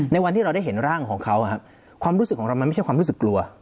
ในวันที่เราได้เห็นร่างของเขาความรู้สึกของเรามันไม่ใช่ความรู้สึกกลัว